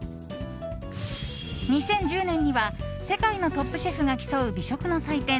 ２０１０年には世界のトップシェフが競う美食の祭典